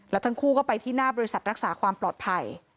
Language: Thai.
แล้วทั้งคู่ก็ไปที่หน้าบริษัทรักษาความปลอดภัย